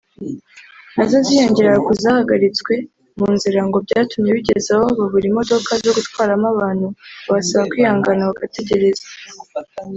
nazo ziyongeraga ku zahagaritswe mu nzira ngo byatumye bigezaho babura imodoka zo gutwaramo abantu babasaba kwihangana bagategereza